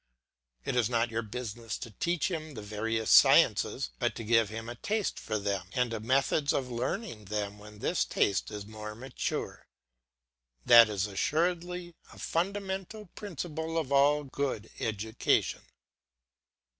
It is not your business to teach him the various sciences, but to give him a taste for them and methods of learning them when this taste is more mature. That is assuredly a fundamental principle of all good education.